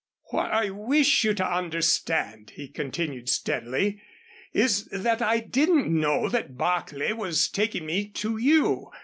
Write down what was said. "What I wish you to understand," he continued, steadily, "is that I didn't know that Barclay was taking me to you.